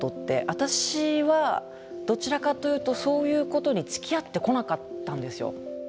私はどちらかというとそういうことにつきあってこなかったんですよ。